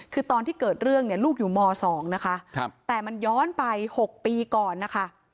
คือตอนที่เกิดเรื่องเนี่ยลูกอยู่ม๒นะคะแต่มันย้อนไป๖ปีก่อนนะคะ